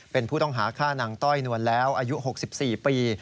เป็นผู้ต้องหาฆ่านางต้อยนวลแล้วอายุ๖๔ปี